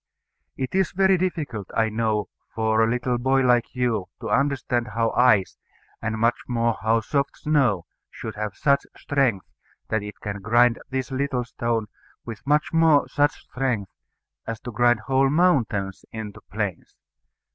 It is very difficult, I know, for a little boy like you to understand how ice, and much more how soft snow, should have such strength that it can grind this little stone, much more such strength as to grind whole mountains into plains.